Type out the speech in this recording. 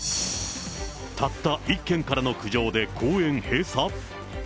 たった１軒からの苦情で公園閉鎖？